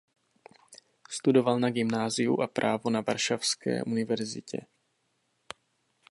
Studoval na gymnáziu a právo na Varšavské univerzitě.